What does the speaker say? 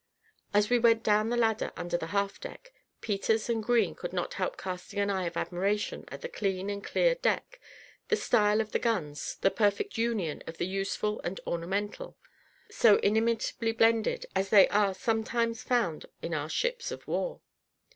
As we went down the ladder under the half deck, Peters and Green could not help casting an eye of admiration at the clean and clear deck, the style of the guns, and perfect union of the useful and ornamental, so inimitably blended as they are sometimes found in our ships of war.